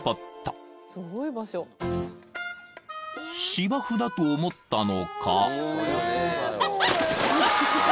［芝生だと思ったのか］